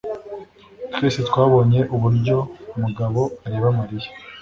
Twese twabonye uburyo Mugabo areba Mariya.